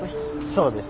そうです。